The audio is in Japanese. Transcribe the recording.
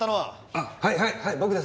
あはいはい僕です！